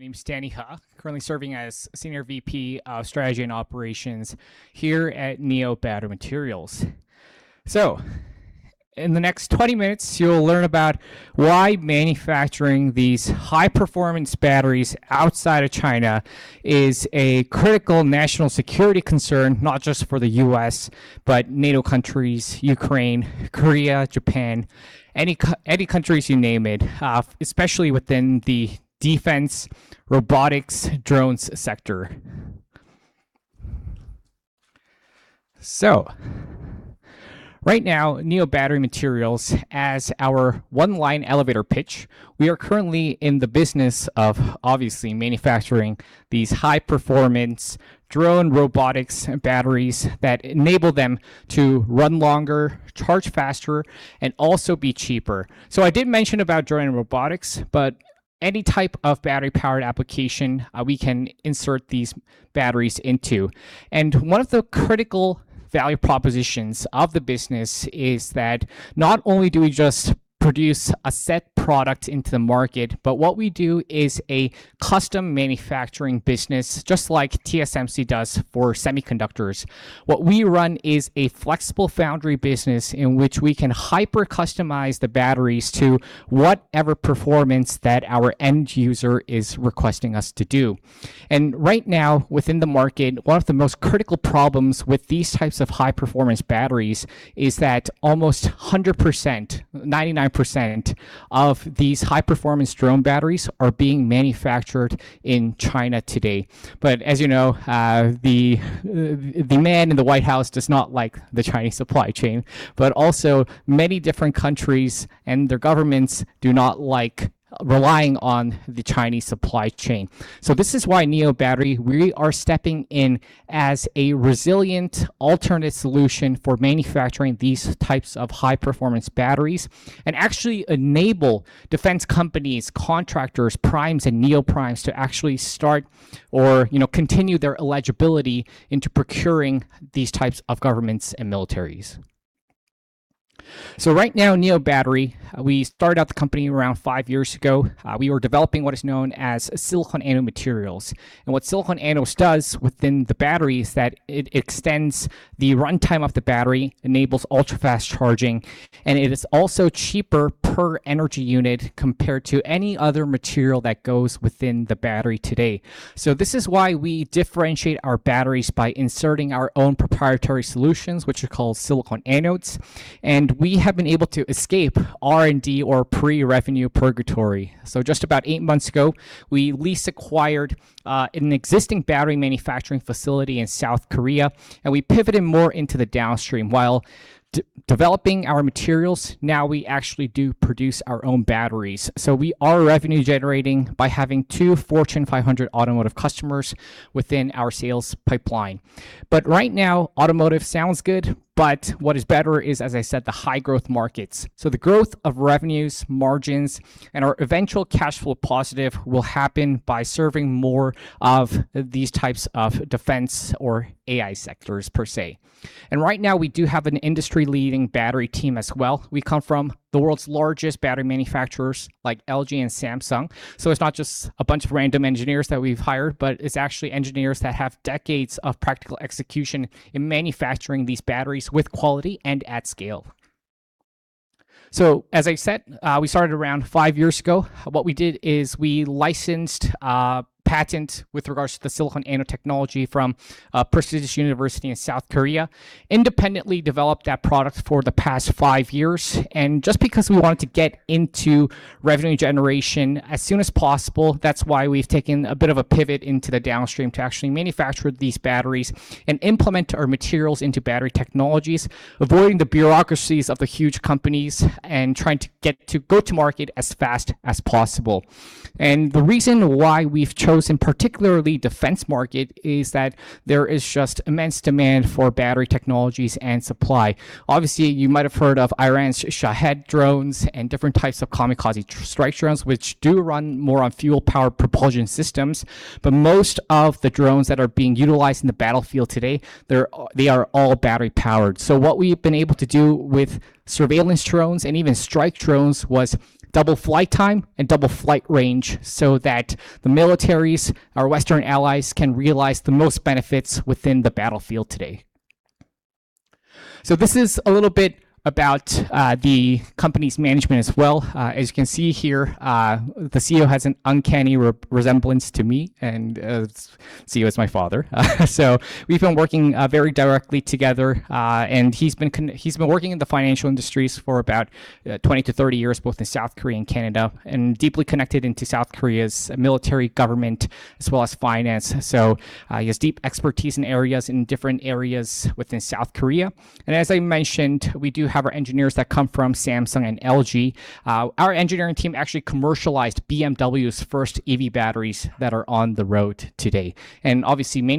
My name is Danny Huh, currently serving as Senior VP of Strategy and Operations here at NEO Battery Materials. In the next 20 minutes, you'll learn about why manufacturing these high-performance batteries outside of China is a critical national security concern, not just for the U.S., but NATO countries, Ukraine, Korea, Japan, any countries you name it, especially within the defense, robotics, drones sector. Right now, NEO Battery Materials as our one-line elevator pitch, we are currently in the business of obviously manufacturing these high-performance drone robotics batteries that enable them to run longer, charge faster, and also be cheaper. I did mention about drone robotics, but any type of battery-powered application we can insert these batteries into. One of the critical value propositions of the business is that not only do we just produce a set product into the market, but what we do is a custom manufacturing business, just like TSMC does for semiconductors. What we run is a flexible foundry business in which we can hyper customize the batteries to whatever performance that our end user is requesting us to do. Right now within the market, one of the most critical problems with these types of high-performance batteries is that almost 100%, 99% of these high-performance drone batteries are being manufactured in China today. As you know, the man in the White House does not like the Chinese supply chain, also many different countries and their governments do not like relying on the Chinese supply chain. This is why NEO Battery, we are stepping in as a resilient alternate solution for manufacturing these types of high-performance batteries and actually enable defense companies, contractors, primes and neo-primes to actually start or continue their eligibility into procuring these types of governments and militaries. Right now, NEO Battery, we started out the company around five years ago. We were developing what is known as silicon anode materials. What silicon anodes does within the battery is that it extends the runtime of the battery, enables ultra-fast charging, and it is also cheaper per energy unit compared to any other material that goes within the battery today. This is why we differentiate our batteries by inserting our own proprietary solutions which are called silicon anodes. We have been able to escape R&D or pre-revenue purgatory. Just about eight months ago, we lease-acquired an existing battery manufacturing facility in South Korea, we pivoted more into the downstream while developing our materials. Now we actually do produce our own batteries. We are revenue generating by having two Fortune 500 automotive customers within our sales pipeline. Right now, automotive sounds good, but what is better is, as I said, the high growth markets. The growth of revenues, margins, and our eventual cash flow positive will happen by serving more of these types of defense or AI sectors per se. Right now we do have an industry-leading battery team as well. We come from the world's largest battery manufacturers like LG and Samsung. It's not just a bunch of random engineers that we've hired, but it's actually engineers that have decades of practical execution in manufacturing these batteries with quality and at scale. We started around five years ago. What we did is we licensed a patent with regards to the silicon anode technology from a prestigious university in South Korea, independently developed that product for the past five years. Just because we wanted to get into revenue generation as soon as possible, that's why we've taken a bit of a pivot into the downstream to actually manufacture these batteries and implement our materials into battery technologies, avoiding the bureaucracies of the huge companies and trying to go to market as fast as possible. The reason why we've chosen particularly defense market is that there is just immense demand for battery technologies and supply. You might have heard of Iran's Shahed drones and different types of kamikaze strike drones, which do run more on fuel power propulsion systems. But most of the drones that are being utilized in the battlefield today, they are all battery powered. What we've been able to do with surveillance drones and even strike drones was double flight time and double flight range so that the militaries, our Western allies can realize the most benefits within the battlefield today. This is a little bit about the company's management as well. As you can see here, the CEO has an uncanny resemblance to me and CEO is my father. We've been working very directly together. He's been working in the financial industries for about 20-30 years, both in South Korea and Canada, and deeply connected into South Korea's military government as well as finance. He has deep expertise in different areas within South Korea. As I mentioned, we do have our engineers that come from Samsung and LG. Our engineering team actually commercialized BMW's first EV batteries that are on the road today.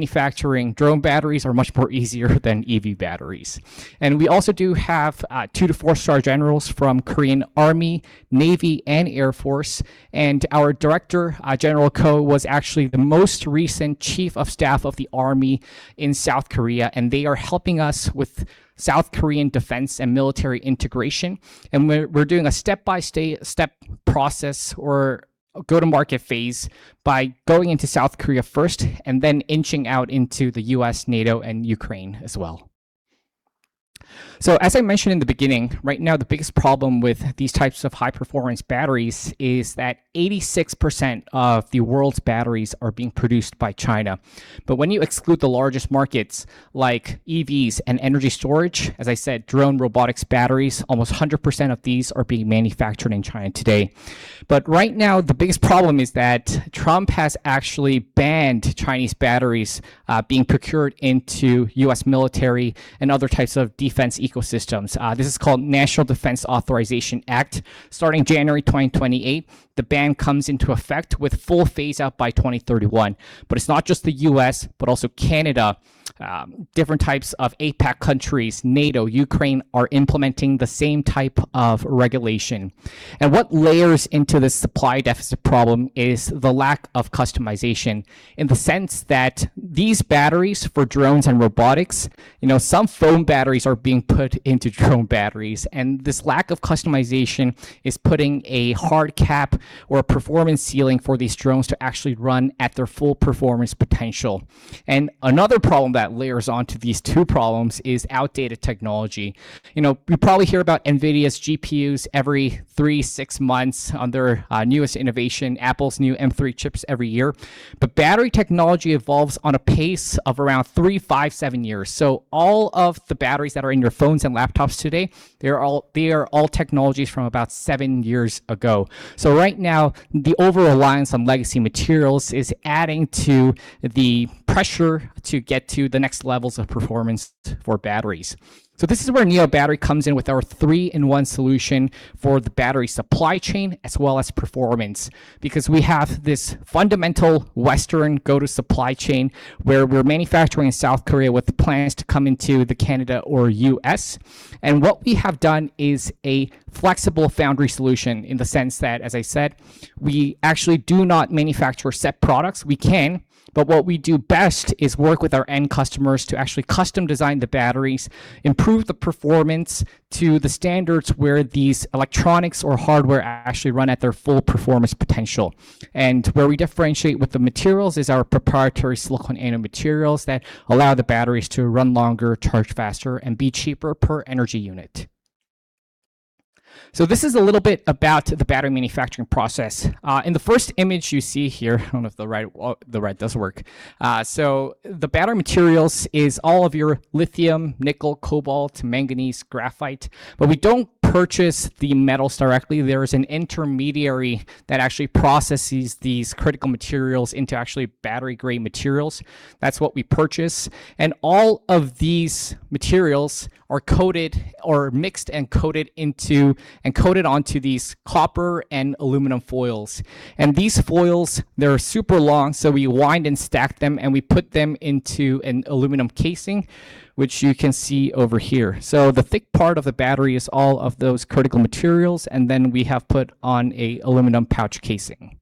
Manufacturing drone batteries are much more easier than EV batteries. We also do have 2-4-star generals from Korean Army, Navy and Air Force. Our director, General Ko, was actually the most recent chief of staff of the army in South Korea, and they are helping us with South Korean defense and military integration. We're doing a step by step process or go-to-market phase by going into South Korea first, inching out into the U.S., NATO, and Ukraine as well. As I mentioned in the beginning, right now the biggest problem with these types of high-performance batteries is that 86% of the world's batteries are being produced by China. But when you exclude the largest markets like EVs and energy storage, as I said, drone robotics batteries, almost 100% of these are being manufactured in China today. Right now, the biggest problem is that Trump has actually banned Chinese batteries being procured into U.S. military and other types of defense ecosystems. This is called National Defense Authorization Act. Starting January 2028, the ban comes into effect with full phase out by 2031. It's not just the U.S., but also Canada, different types of APAC countries, NATO, Ukraine, are implementing the same type of regulation. What layers into the supply deficit problem is the lack of customization in the sense that these batteries for drones and robotics, some phone batteries are being put into drone batteries, and this lack of customization is putting a hard cap or a performance ceiling for these drones to actually run at their full performance potential. Another problem that layers onto these two problems is outdated technology. You probably hear about NVIDIA's GPUs every three, six months on their newest innovation, Apple's new M3 chips every year. Battery technology evolves on a pace of around three, five, seven years. All of the batteries that are in your phones and laptops today, they are all technologies from about seven years ago. Right now, the overreliance on legacy materials is adding to the pressure to get to the next levels of performance for batteries. This is where NEO Battery comes in with our three-in-one solution for the battery supply chain as well as performance. Because we have this fundamental Western go-to supply chain where we're manufacturing in South Korea with plans to come into the Canada or U.S. What we have done is a flexible foundry solution in the sense that, as I said, we actually do not manufacture set products. We can, but what we do best is work with our end customers to actually custom design the batteries, improve the performance to the standards where these electronics or hardware actually run at their full performance potential. Where we differentiate with the materials is our proprietary silicon nanomaterials that allow the batteries to run longer, charge faster, and be cheaper per energy unit. This is a little bit about the battery manufacturing process. In the first image you see here, I don't know if the right does work. The battery materials is all of your lithium, nickel, cobalt, manganese, graphite, but we don't purchase the metals directly. There is an intermediary that actually processes these critical materials into actually battery-grade materials. That's what we purchase. All of these materials are mixed and coated onto these copper and aluminum foils. These foils, they're super long, so we wind and stack them, and we put them into an aluminum casing, which you can see over here. The thick part of the battery is all of those critical materials. Then we have put on a aluminum pouch casing.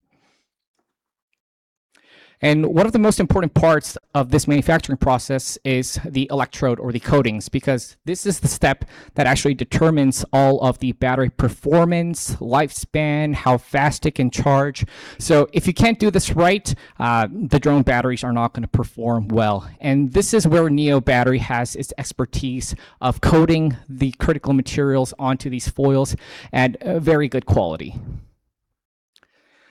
One of the most important parts of this manufacturing process is the electrode or the coatings because this is the step that actually determines all of the battery performance, lifespan, how fast it can charge. If you can't do this right, the drone batteries are not going to perform well. This is where NEO Battery has its expertise of coating the critical materials onto these foils at very good quality.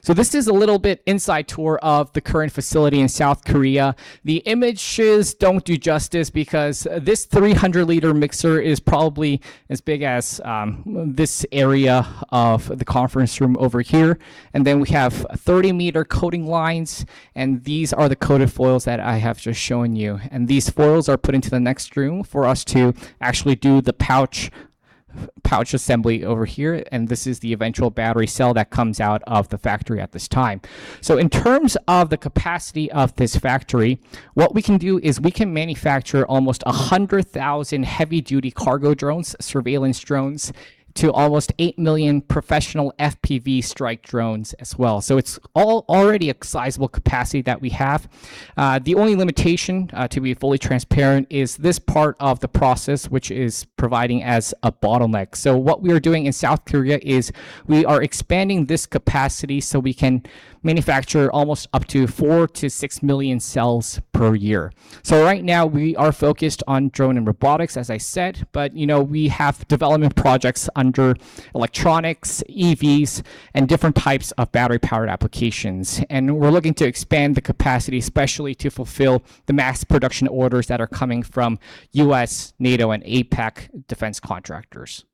This is a little bit inside tour of the current facility in South Korea. The images don't do justice because this 300-liter mixer is probably as big as this area of the conference room over here. Then we have 30-meter coating lines, and these are the coated foils that I have just shown you. These foils are put into the next room for us to actually do the pouch assembly over here, and this is the eventual battery cell that comes out of the factory at this time. In terms of the capacity of this factory, what we can do is we can manufacture almost 100,000 heavy-duty cargo drones, surveillance drones, to almost 8 million professional FPV strike drones as well. It's all already a sizable capacity that we have. The only limitation, to be fully transparent, is this part of the process which is providing as a bottleneck. What we are doing in South Korea is we are expanding this capacity so we can manufacture almost up to 4 to 6 million cells per year. Right now, we are focused on drone and robotics, as I said, but we have development projects under electronics, EVs, and different types of battery-powered applications. And we're looking to expand the capacity, especially to fulfill the mass production orders that are coming from U.S., NATO, and APAC defense contractors.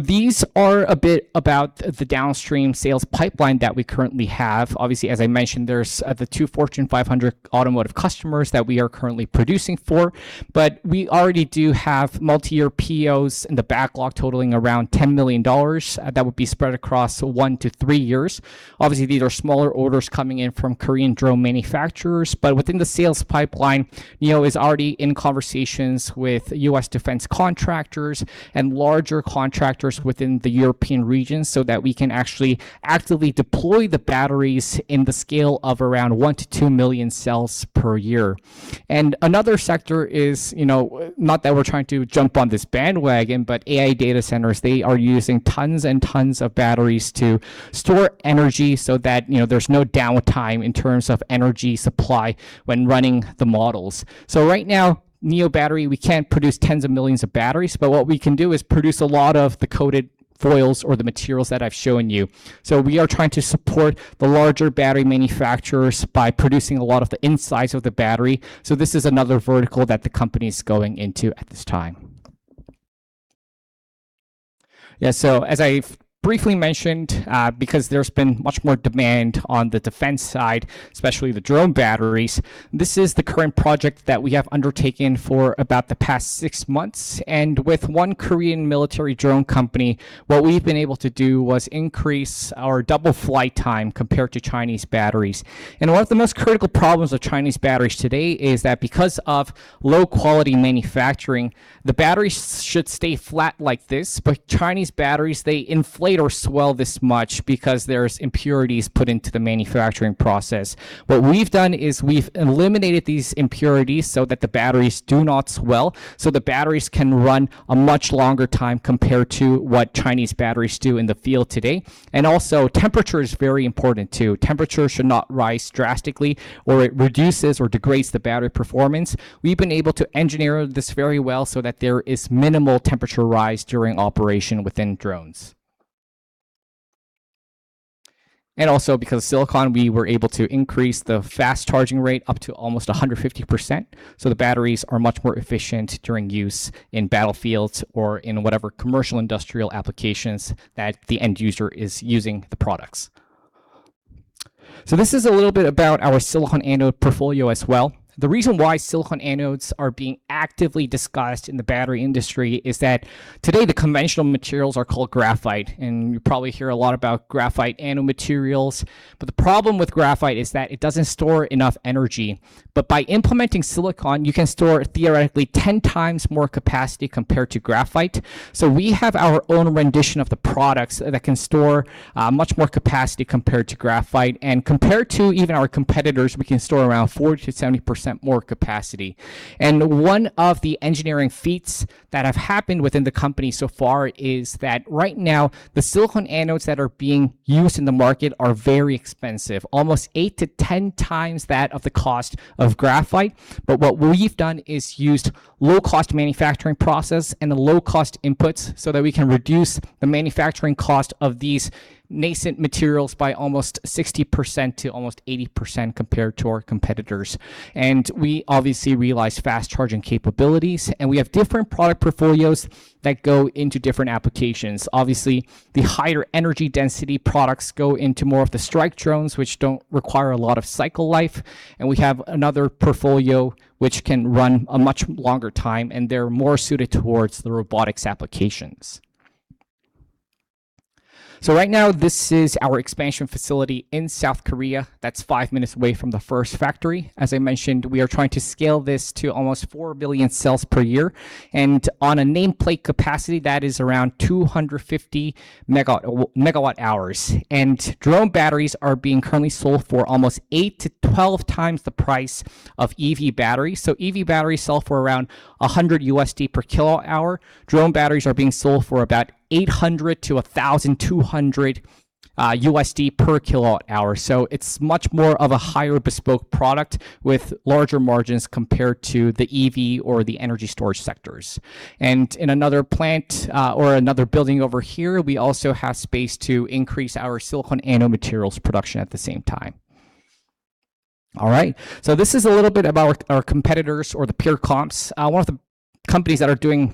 These are a bit about the downstream sales pipeline that we currently have. As I mentioned, there's the 2 Fortune 500 automotive customers that we are currently producing for. But we already do have multi-year POs in the backlog totaling around 10 million dollars that would be spread across 1 to 3 years. These are smaller orders coming in from Korean drone manufacturers, but within the sales pipeline, NEO is already in conversations with U.S. defense contractors and larger contractors within the European region so that we can actually actively deploy the batteries in the scale of around 1 to 2 million cells per year. And another sector is, not that we're trying to jump on this bandwagon, but AI data centers. They are using tons and tons of batteries to store energy so that there's no downtime in terms of energy supply when running the models. Right now, NEO Battery, we can't produce tens of millions of batteries, but what we can do is produce a lot of the coated foils or the materials that I've shown you. We are trying to support the larger battery manufacturers by producing a lot of the insides of the battery. This is another vertical that the company's going into at this time. Yeah. As I've briefly mentioned, because there's been much more demand on the defense side, especially the drone batteries, this is the current project that we have undertaken for about the past 6 months. And with 1 Korean military drone company, what we've been able to do was increase our double flight time compared to Chinese batteries. And one of the most critical problems with Chinese batteries today is that because of low-quality manufacturing, the batteries should stay flat like this, but Chinese batteries, they inflate or swell this much because there's impurities put into the manufacturing process. What we've done is we've eliminated these impurities so that the batteries do not swell, so the batteries can run a much longer time compared to what Chinese batteries do in the field today. Temperature is very important too. Temperature should not rise drastically, or it reduces or degrades the battery performance. We've been able to engineer this very well so that there is minimal temperature rise during operation within drones. Because of silicon, we were able to increase the fast charging rate up to almost 150%. The batteries are much more efficient during use in battlefields or in whatever commercial industrial applications that the end user is using the products. This is a little bit about our silicon anode portfolio as well. The reason why silicon anodes are being actively discussed in the battery industry is that today the conventional materials are called graphite, and you probably hear a lot about graphite anode materials. The problem with graphite is that it doesn't store enough energy. By implementing silicon, you can store theoretically 10 times more capacity compared to graphite. We have our own rendition of the products that can store much more capacity compared to graphite, and compared to even our competitors, we can store around 40%-70% more capacity. One of the engineering feats that have happened within the company so far is that right now the silicon anodes that are being used in the market are very expensive, almost eight to 10 times that of the cost of graphite. What we've done is used low-cost manufacturing process and low-cost inputs so that we can reduce the manufacturing cost of these nascent materials by almost 60%-80% compared to our competitors. We obviously realize fast charging capabilities, and we have different product portfolios that go into different applications. Obviously, the higher energy density products go into more of the strike drones, which don't require a lot of cycle life, and we have another portfolio which can run a much longer time, and they're more suited towards the robotics applications. Right now this is our expansion facility in South Korea, that's five minutes away from the first factory. As I mentioned, we are trying to scale this to almost four million cells per year. On a nameplate capacity, that is around 250 megawatt hours. Drone batteries are being currently sold for almost eight to 12 times the price of EV batteries. EV batteries sell for around $100 per kilowatt hour. Drone batteries are being sold for about $800-$1,200 per kilowatt hour. It's much more of a higher bespoke product with larger margins compared to the EV or the energy storage sectors. In another plant or another building over here, we also have space to increase our silicon anode materials production at the same time. All right. This is a little bit about our competitors or the peer comps. One of the companies that are doing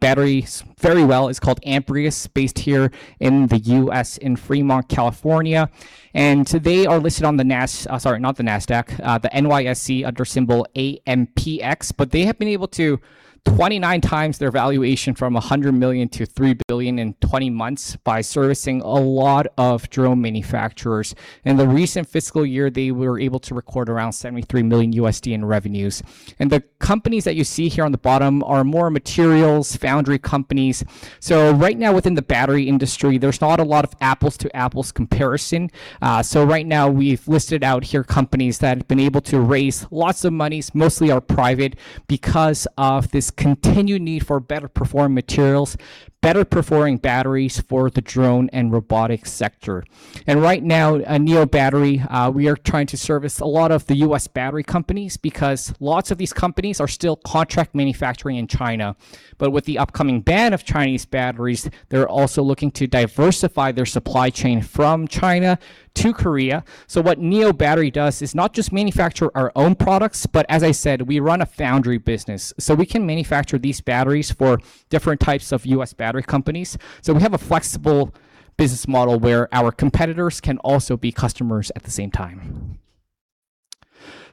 batteries very well is called Amprius, based here in the U.S. in Fremont, California. They are listed on the NYSE under symbol AMPX. They have been able to 29 times their valuation from $100 million to $3 billion in 20 months by servicing a lot of drone manufacturers. In the recent fiscal year, they were able to record around $73 million in revenues. The companies that you see here on the bottom are more materials foundry companies. Right now within the battery industry, there's not a lot of apples to apples comparison. Right now we've listed out here companies that have been able to raise lots of monies, mostly are private because of this continued need for better performing materials, better performing batteries for the drone and robotics sector. Right now at NEO Battery, we are trying to service a lot of the U.S. battery companies because lots of these companies are still contract manufacturing in China. With the upcoming ban of Chinese batteries, they're also looking to diversify their supply chain from China to Korea. What NEO Battery does is not just manufacture our own products, but as I said, we run a foundry business, so we can manufacture these batteries for different types of U.S. battery companies. We have a flexible business model where our competitors can also be customers at the same time.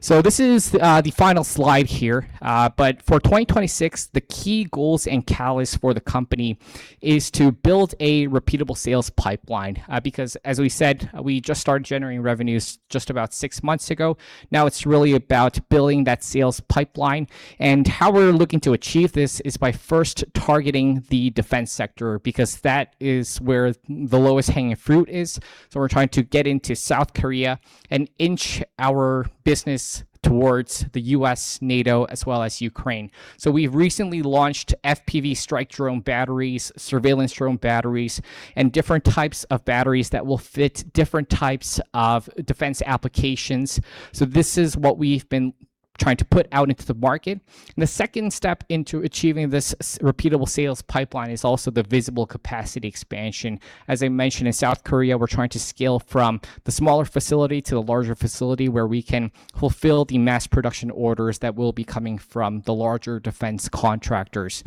This is the final slide here. For 2026, the key goals and catalyst for the company is to build a repeatable sales pipeline, because as we said, we just started generating revenues just about six months ago. It's really about building that sales pipeline, and how we're looking to achieve this is by first targeting the defense sector because that is where the lowest hanging fruit is. We're trying to get into South Korea and inch our business towards the U.S., NATO, as well as Ukraine. We've recently launched FPV strike drone batteries, surveillance drone batteries, and different types of batteries that will fit different types of defense applications. This is what we've been trying to put out into the market. The second step into achieving this repeatable sales pipeline is also the visible capacity expansion. As I mentioned, in South Korea we're trying to scale from the smaller facility to the larger facility where we can fulfill the mass production orders that will be coming from the larger defense contractors.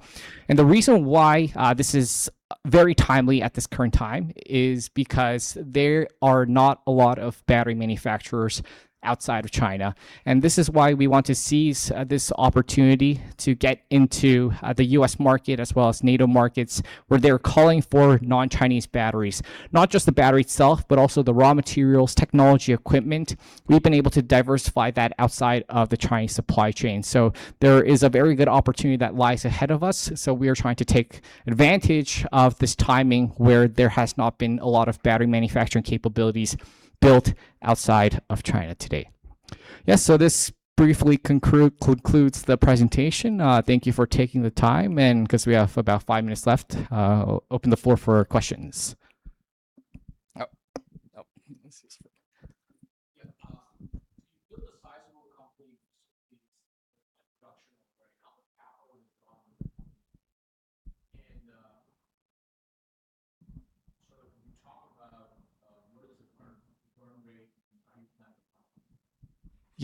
The reason why this is very timely at this current time is because there are not a lot of battery manufacturers outside of China. This is why we want to seize this opportunity to get into the U.S. market as well as NATO markets, where they're calling for non-Chinese batteries. Not just the battery itself, but also the raw materials, technology, equipment. We've been able to diversify that outside of the Chinese supply chain. There is a very good opportunity that lies ahead of us, so we are trying to take advantage of this timing where there has not been a lot of battery manufacturing capabilities built outside of China today. This briefly concludes the presentation. Thank you for taking the time, and because we have about five minutes left, open the floor for questions.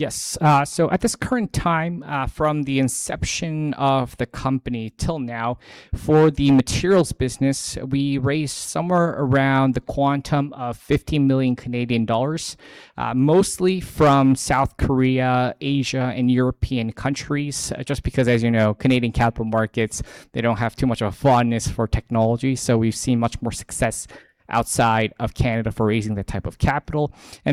Yeah. The introduction of how and when. Can you talk about what is the current burn rate and how you plan to Yes. At this current time, from the inception of the company till now, for the materials business, we raised somewhere around the quantum of CAD 50 million, mostly from South Korea, Asia, and European countries, just because, as you know, Canadian capital markets, they don't have too much of a fondness for technology. We've seen much more success outside of Canada for raising that type of capital.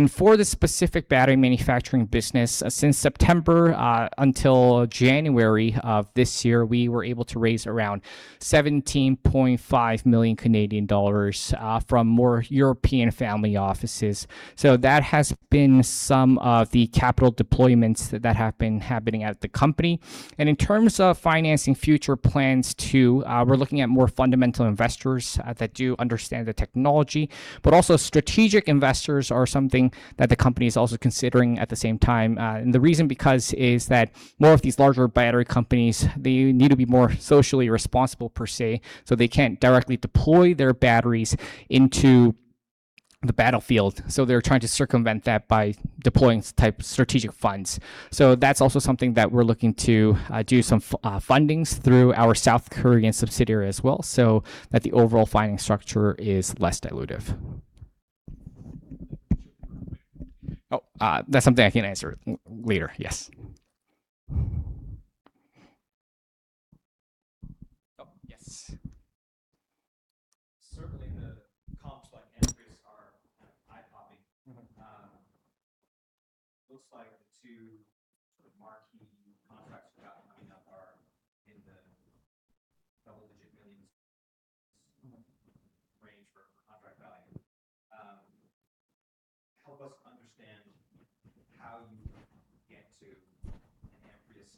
For the specific battery manufacturing business, since September until January of this year, we were able to raise around 17.5 million Canadian dollars from more European family offices. That has been some of the capital deployments that have been happening at the company. In terms of financing future plans too, we're looking at more fundamental investors that do understand the technology, but also strategic investors are something that the company is also considering at the same time. The reason because is that more of these larger battery companies, they need to be more socially responsible per se, so they can't directly deploy their batteries into the battlefield. They're trying to circumvent that by deploying type strategic funds. That's also something that we're looking to do some fundings through our South Korean subsidiary as well, so that the overall funding structure is less dilutive. Oh, that's something I can answer later. Yes. Oh,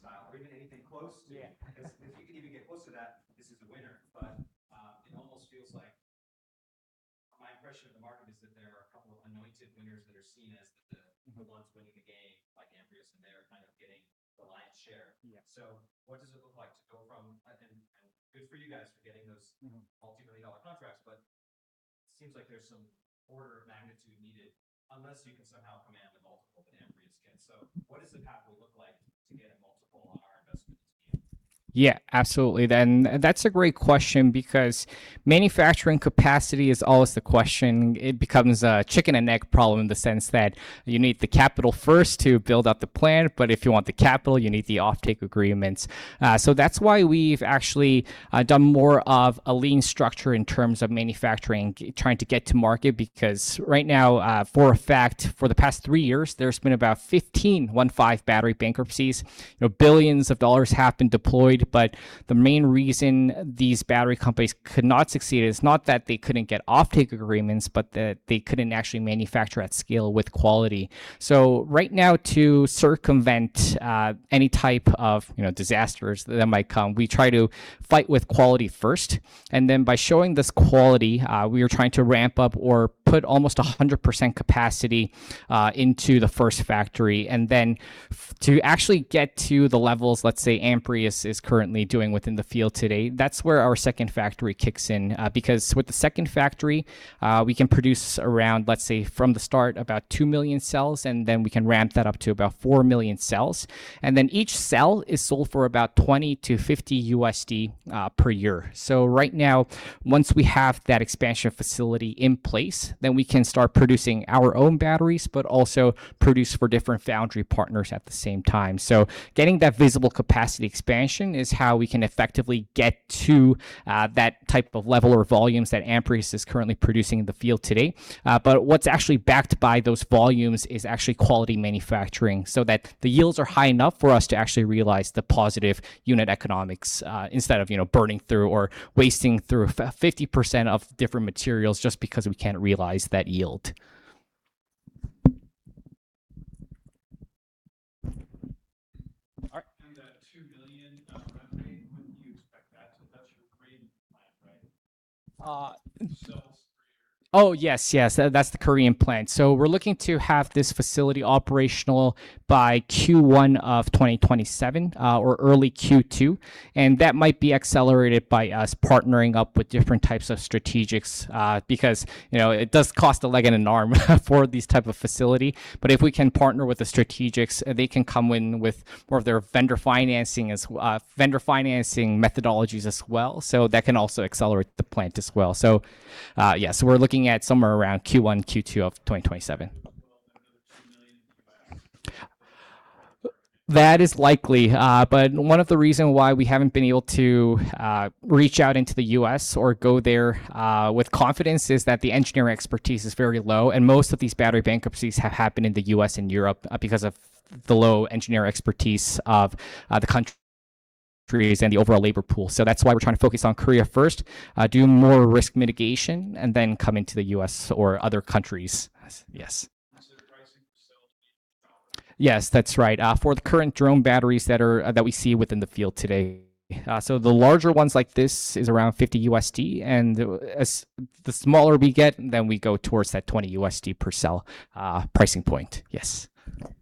yes. Certainly the comps like Amprius are kind of eye-popping. Looks like the two sort of marquee contracts you have coming up are in the CAD double-digit millions range for contract value. Help us understand how you get to an Amprius style or even anything close to- Yeah. If you can even get close to that, this is a winner, but it almost feels like my impression of the market is that there are a couple of anointed winners that are seen as the ones winning the game, like Amprius, and they are kind of getting the lion's share. Yeah. What does it look like to go from good for you guys for getting those- CAD multi-million dollar contracts, seems like there's some order of magnitude needed, unless you can somehow command a multiple that Amprius gets. What does the pathway look like to get a multiple on our investment to be Yeah, absolutely. That's a great question because manufacturing capacity is always the question. It becomes a chicken and egg problem in the sense that you need the capital first to build up the plant, but if you want the capital, you need the offtake agreements. That's why we've actually done more of a lean structure in terms of manufacturing, trying to get to market, because right now, for a fact, for the past three years, there's been about 15 battery bankruptcies. Billions of CAD have been deployed, but the main reason these battery companies could not succeed is not that they couldn't get offtake agreements, but that they couldn't actually manufacture at scale with quality. Right now, to circumvent any type of disasters that might come, we try to fight with quality first, and then by showing this quality, we are trying to ramp up or put almost 100% capacity into the first factory. To actually get to the levels, let's say, Amprius is currently doing within the field today, that's where our second factory kicks in. With the second factory, we can produce around, let's say, from the start, about 2 million cells, and then we can ramp that up to about 4 million cells. Each cell is sold for about $20-$50 per year. Right now, once we have that expansion facility in place, we can start producing our own batteries, but also produce for different foundry partners at the same time. Getting that visible capacity expansion is how we can effectively get to that type of level or volumes that Amprius is currently producing in the field today. What's actually backed by those volumes is actually quality manufacturing, so that the yields are high enough for us to actually realize the positive unit economics, instead of burning through or wasting through 50% of different materials just because we can't realize that yield. All right. That 2 million run rate, when do you expect that? That's your Korean plan, right? Cells per year. Oh, yes. That's the Korean plan. We're looking to have this facility operational by Q1 of 2027, or early Q2. That might be accelerated by us partnering up with different types of strategics, because it does cost a leg and an arm for these type of facility. If we can partner with the strategics, they can come in with more of their vendor financing methodologies as well. That can also accelerate the plant as well. Yeah. We're looking at somewhere around Q1, Q2 of 2027. Another 2 million in capacity. That is likely. One of the reason why we haven't been able to reach out into the U.S. or go there with confidence is that the engineering expertise is very low, and most of these battery bankruptcies have happened in the U.S. and Europe because of the low engineering expertise of the countries and the overall labor pool. That's why we're trying to focus on Korea first, do more risk mitigation, and then come into the U.S. or other countries. Yes. The pricing per cell can be Yes, that's right. For the current drone batteries that we see within the field today. The larger ones like this is around 50 USD, and the smaller we get, then we go towards that 20 USD per cell pricing point. Yes. All right.